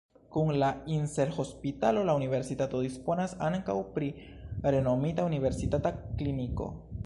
Kun la Insel-hospitalo la universitato disponas ankaŭ pri renomita universitata kliniko.